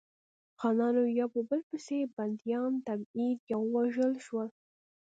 خانان یو په بل پسې بندیان، تبعید یا ووژل شول.